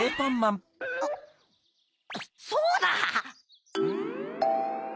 そうだ！